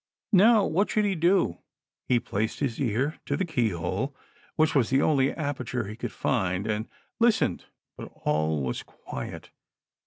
Now, what should he do V He placed his ear to the key hole, which was the only aperture he could find, and listened, but all was quiet.